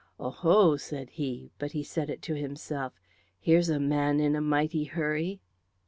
"Oho!" said he, but he said it to himself, "here's a man in a mighty hurry."